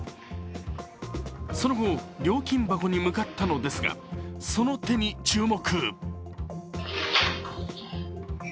その後、料金箱に向かったのですがその手に注目。